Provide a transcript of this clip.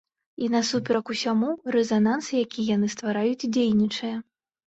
І, насуперак усяму, рэзананс, які яны ствараюць, дзейнічае!